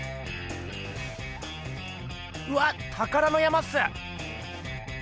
うわったからの山っす！